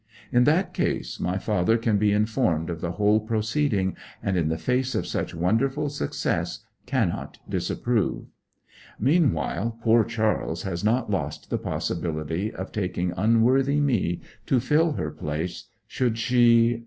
In that case my father can be informed of the whole proceeding, and in the face of such wonderful success cannot disapprove. Meanwhile poor Charles has not lost the possibility of taking unworthy me to fill her place should she